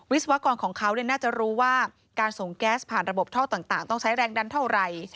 วิศวกรของเขาน่าจะรู้ว่าการส่งแก๊สผ่านระบบท่อต่างต้องใช้แรงดันเท่าไหร่